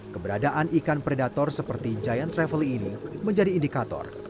keberadaan ikan predator seperti giant travely ini menjadi indikator